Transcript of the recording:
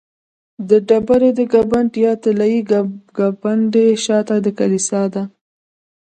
د ډبرې د ګنبد یا طلایي ګنبدې شاته د کلیسا ده.